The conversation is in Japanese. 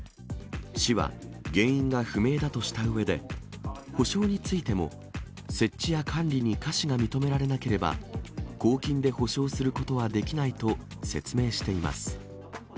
市は原因が不明だとしたうえで、補償についても、設置や管理にかしが認められなければ、公金で補償することはできないと説明しています。